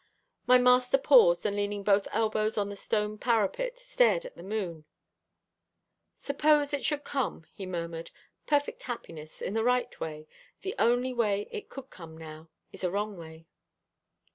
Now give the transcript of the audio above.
My master paused, and leaning both elbows on the stone parapet, stared at the moon. "Suppose it should come," he murmured "perfect happiness in the right way the only way it could come now, is a wrong way."